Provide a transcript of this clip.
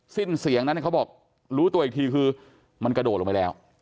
สิ้นเสียงนั้นเขาบอกรู้ตัวอีกทีคือมันกระโดดลงไปแล้ว